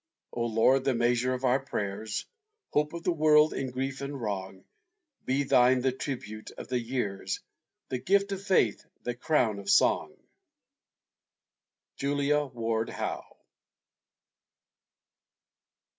O Lord, the measure of our prayers, Hope of the world in grief and wrong, Be thine the tribute of the years, The gift of Faith, the crown of Song! JULIA WARD HOWE.